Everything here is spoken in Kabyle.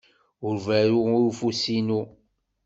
Ur berru i ufus-inu.